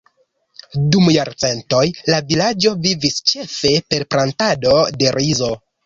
Dum jarcentoj, la vilaĝo vivis ĉefe per plantado de rizo.